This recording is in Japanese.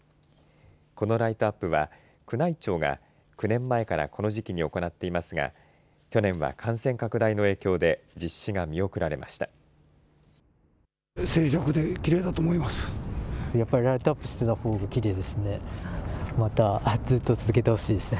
このライトアップは宮内庁が９年前からこの時期に行っていますが去年は感染拡大の影響で実施が見送られました。